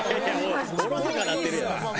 おろそかになってるやん。